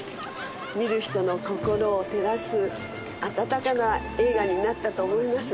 見る人の心を照らす温かな映画になったと思います。